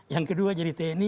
yang kedua jadi tni